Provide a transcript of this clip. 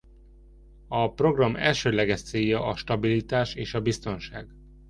A program elsődleges célja a stabilitás és a biztonság.